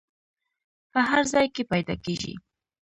په هر ځای کې پیدا کیږي.